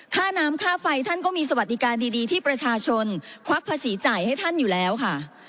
ค่าน้ำค่าไฟท่านก็มีสวัสดิการดีที่ประชาชนควักภาษีจ่ายให้ท่านอยู่แล้วค่ะ